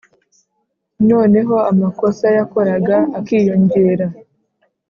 Noneho amakosa yakoraga akiyongera